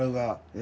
え。